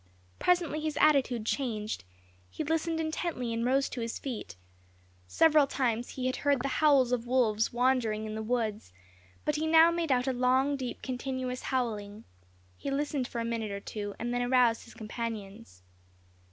Presently his attitude changed, he listened intently and rose to his feet. Several times he had heard the howls of wolves wandering in the woods, but he now made out a long, deep, continuous howling; he listened for a minute or two and then aroused his companions.